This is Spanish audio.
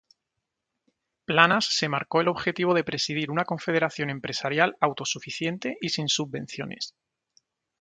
Planas se marcó el objetivo de presidir una confederación empresarial "autosuficiente y sin subvenciones"